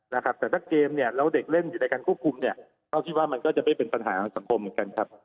แต่ถ้าเกมแล้วเด็กเล่นอยู่ในการควบคุมเราคิดว่ามันก็จะเป็นปัญหาของสังคมเหมือนกัน